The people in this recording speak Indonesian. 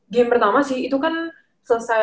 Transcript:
game pertama sih itu kan selesai